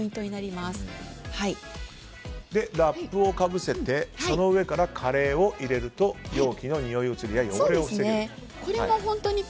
そして、ラップをかぶせてその上からカレーを入れると容器のにおい移りや汚れを防げる。